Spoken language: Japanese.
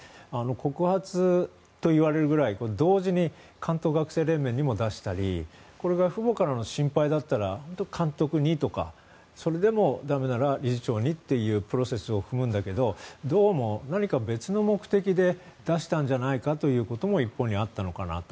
告発といわれるくらい同時に関東学生連盟にも出したりこれが父母からの心配だったら監督にとか理事長にというプロセスを踏むんだけれどどうも別の目的で出したんじゃないかということも一方にあったのかなと。